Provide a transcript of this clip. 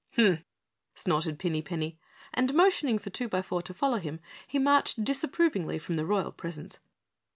"Humph!" snorted Pinny Penny, and motioning for Twobyfour to follow him he marched disapprovingly from the royal presence.